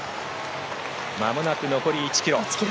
まもなく残り１ｋｍ。